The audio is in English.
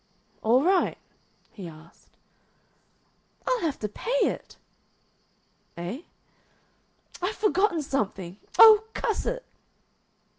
"All right?" he asked. "I'll have to pay it." "Eh?" "I've forgotten something. Oh, cuss it!"